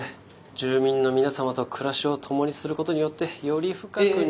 住民の皆様と暮らしを共にすることによってより深くニーズを。